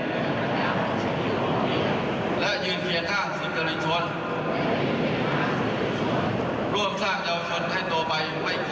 เพื่อจะลงและนำพาประเทศไทยให้ลุงเรืองถึงไป